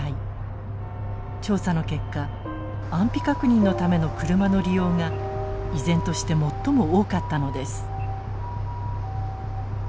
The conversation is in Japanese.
調査の結果安否確認のための車の利用が依然として最も多かったのです。